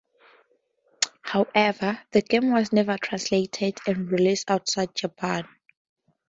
However, the game was never translated and released outside Japan.